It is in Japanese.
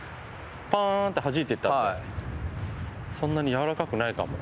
パーンってはじいていったのでそんなにやわらかくないかも。